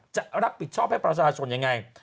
จะรับผิดชอบให้ประชาชนยังไง